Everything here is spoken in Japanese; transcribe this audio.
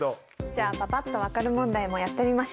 じゃあパパっと分かる問題もやってみましょう。